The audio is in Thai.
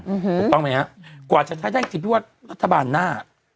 ถูกต้องไหมครับกว่าจะได้จิตด้วยว่ารัฐบาลหน้า